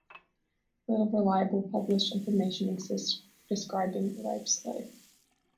Little reliable published information exists describing Rife's life.